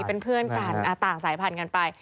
เป็นเพื่อนกัน